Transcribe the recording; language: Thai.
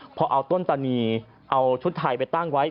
พอเอาต้นตานีเอาชุดไทยไปตั้งไว้